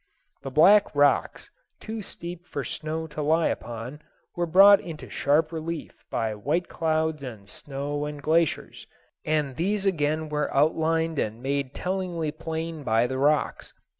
The black rocks, too steep for snow to lie upon, were brought into sharp relief by white clouds and snow and glaciers, and these again were outlined and made tellingly plain by the rocks.